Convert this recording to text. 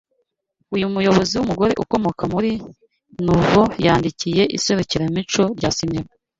uyu muyobozi w’umugore ukomoka muri nuvo yatsindiye iserukiramuco rya sinema